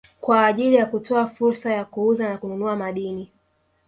kwa ajili ya kutoa fursa ya kuuza na kununua madini